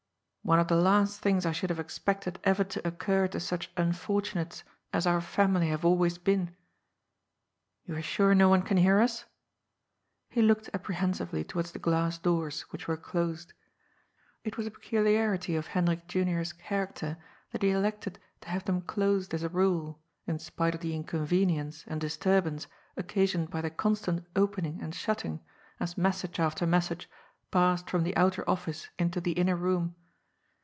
One of the last things I should have expected ever to occur to such unfortunates as our family have always been. You are sure no one can hear us ?"— ^he looked apprehensively towards the glass doors, which were closed. It was a pecul iarity of Hendrik Junior's character that he elected to have them closed as a rule, in spite of the inconvenience and dis turbance occasioned by the constant opening and shutting, as message after message passed from the outer office into the inner room.